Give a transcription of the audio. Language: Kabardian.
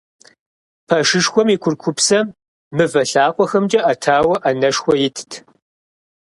Пэшышхуэм и курыкупсым мывэ лъакъуэхэмкӀэ Ӏэтауэ Ӏэнэшхуэ итт.